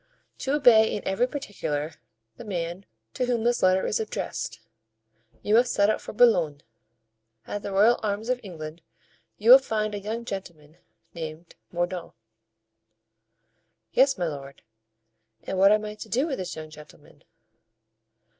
"To obey in every particular the man to whom this letter is addressed. You must set out for Boulogne. At the Royal Arms of England you will find a young gentleman named Mordaunt." "Yes, my lord; and what am I to do with this young gentleman?"